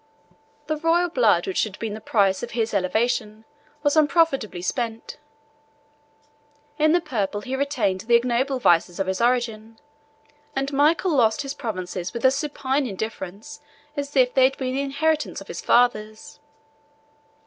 The royal blood which had been the price of his elevation, was unprofitably spent: in the purple he retained the ignoble vices of his origin; and Michael lost his provinces with as supine indifference as if they had been the inheritance of his fathers.